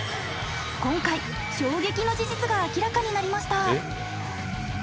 今回衝撃の事実が明らかになりました。